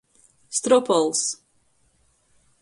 Stropols.